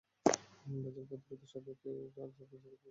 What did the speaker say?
ভেজাল প্রতিরোধে সবাইকে যার যার জায়গা থেকে আন্তরিকভাবে কাজ করতে হবে।